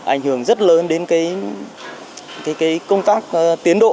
ảnh hưởng rất lớn đến công tác tiến độ